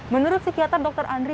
menurut psikiater dr andri